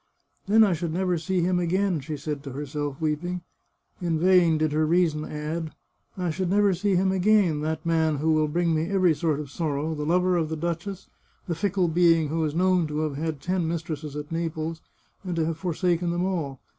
" Then I should never see him again," she said to her self, weeping. In vain did her reason add :" I should never see him again — that man who will bring me every sort of sorrow, the lover of the duchess, the fickle being who is known to have had ten mistresses at Naples, and to have forsaken them all.